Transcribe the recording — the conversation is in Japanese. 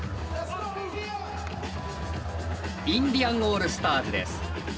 インディアン・オールスターズです。